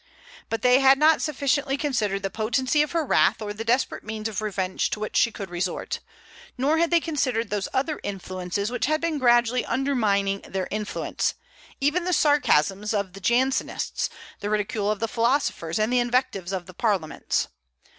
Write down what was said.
But they had not sufficiently considered the potency of her wrath, or the desperate means of revenge to which she could resort; nor had they considered those other influences which had been gradually undermining their influence, even the sarcasms of the Jansenists, the ridicule of the philosophers, and the invectives of the parliaments.